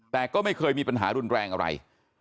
แต่ก็ไม่เคยมีปัญหารุนแรงอะไร